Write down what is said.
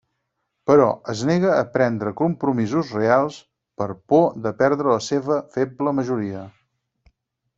Però, es nega a prendre compromisos reals per por de perdre la seva feble majoria.